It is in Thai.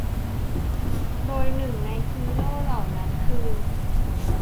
โดยหนึ่งในฮีโร่เหล่านั้นคือ